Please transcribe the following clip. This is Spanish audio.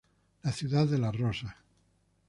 La ciudad de las rosas.